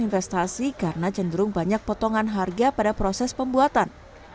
investasi karena cenderung banyak potongan harga pada proses pembuatan